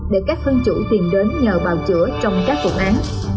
để các thân chủ tìm đến nhờ bào chữa trong các vụ án